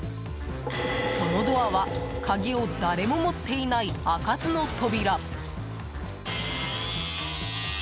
そのドアは鍵を誰も持っていない開かずの扉。